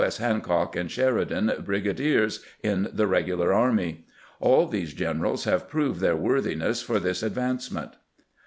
S. Hancock and Sheridan brigadiers, in the regular army. All these generals have proved their worthiness for this advancement."